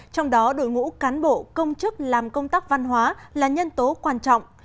trong đó đội ngũ cán bộ công chức làm công tác văn hóa là nhân tố quan trọng